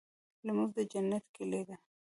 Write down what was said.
لمونځ د جنت کيلي ده.